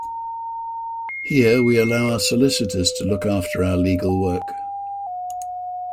Here we allow our solicitors to look after our legal work.